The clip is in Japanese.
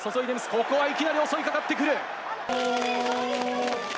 ここはいきなり襲いかかってくる。